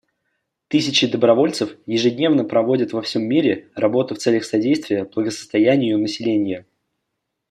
Тысячи добровольцев ежедневно проводят во всем мире работу в целях содействия благосостоянию населения.